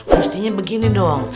mestinya begini dong